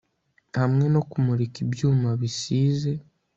hamwe no kumurika ibyuma bisize